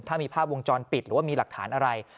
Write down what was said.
ถ้ามีภาพวงจรปิดหรือว่ามีหลักฐานอะไร